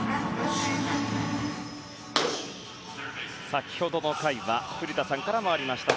先ほどの回は古田さんからもありました